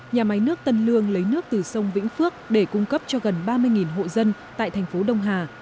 nhà máy nước tân lương lấy nước từ sông vĩnh phước để cung cấp cho gần ba mươi hộ dân tại thành phố đông hà